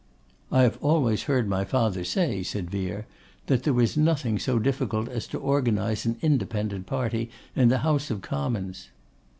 'I have always heard my father say,' said Vere, 'that there was nothing so difficult as to organise an independent party in the House of Commons.